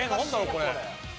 これ。